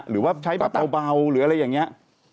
หรือว่าใช้แบบเบาหรืออะไรอย่างนี้